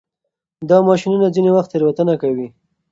دا ماشینونه ځینې وخت تېروتنه کوي.